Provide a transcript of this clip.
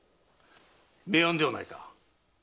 名案ではないか。